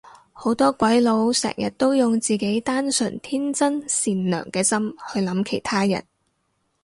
好多鬼佬成日都用自己單純天真善良嘅心去諗其他人